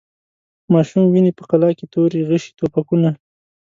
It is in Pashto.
ماشوم ویني په قلا کي توري، غشي، توپکونه